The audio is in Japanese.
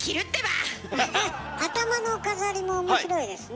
頭の飾りもおもしろいですね。